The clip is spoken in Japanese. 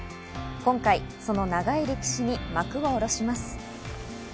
今回その長い歴史に幕を下ろします。